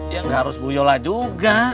ya gak harus bu yola juga